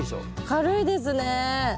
軽いですね。